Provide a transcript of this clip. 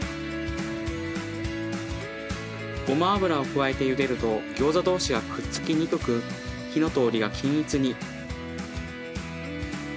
ごま油を加えてゆでるとギョーザ同士がくっつきにくく火の通りが均一に。